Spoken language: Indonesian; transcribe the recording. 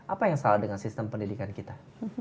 apa yang salah dengan sistem pendidikan kita